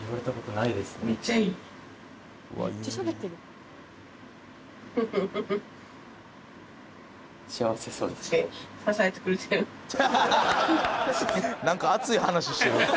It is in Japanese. なんか熱い話してる。